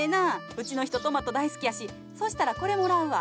うちの人トマト大好きやしそしたらこれもらうわ。